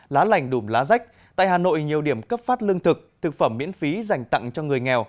lá lành đùm lá rách tại hà nội nhiều điểm cấp phát lương thực thực phẩm miễn phí dành tặng cho người nghèo